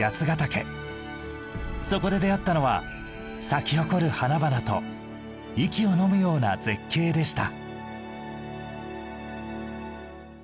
そこで出会ったのは咲き誇る花々と息をのむような絶景でした。